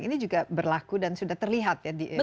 ini juga berlaku dan sudah terlihat ya pada manusia itu sendiri